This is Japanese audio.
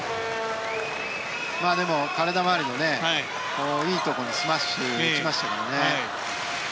でも、体回りのいいところにスマッシュを打ちましたよね。